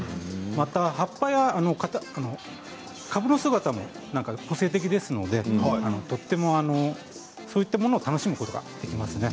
葉っぱや株の姿も個性的ですのでとてもそういったものを楽しむことができますね。